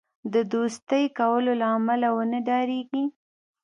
د دوستی کولو له امله ونه ډاریږي.